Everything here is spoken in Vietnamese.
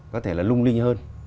có thể là lung linh hơn